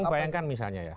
kamu bayangkan misalnya ya